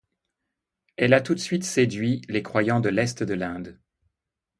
Elle a tout de suite séduit les croyants de l'Est de l'Inde.